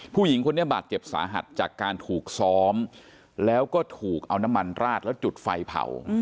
ผู้หญิงคนนี้บาดเจ็บสาหัสจากการถูกซ้อมแล้วก็ถูกเอาน้ำมันราดแล้วจุดไฟเผา